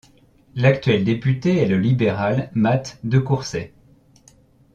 L'actuel député est le libéral Matt DeCourcey.